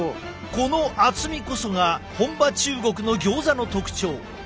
この厚みこそが本場中国のギョーザの特徴。